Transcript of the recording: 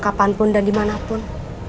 kapanpun dan dimanapun